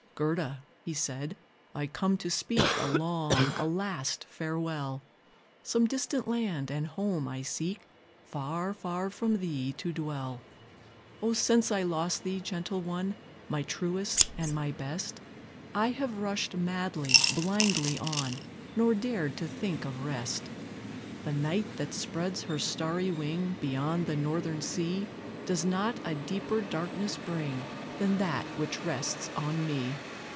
"Gerda," he said, "I come to speak A long, a last farewell; Some distant land and home I seek, Far, far from thee to dwell. O, since I lost thee, gentle one, My truest and my best, I have rushed madly, blindly on, Nor dared to think of rest. "The night that spreads her starry wing Beyond the Northern Sea, Does not a deeper darkness bring Than that which rests on me.